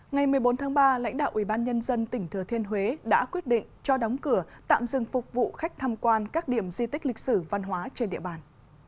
ngày một mươi bốn tháng ba lãnh đạo ubnd tỉnh thừa thiên huế đã quyết định cho đóng cửa tạm dừng phục vụ khách tham quan các điểm di tích lịch sử văn hóa trên địa bàn